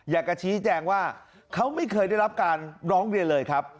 อยากจะชี้แจงว่าเขาไม่เคยได้รับการร้องเรียนเลยครับ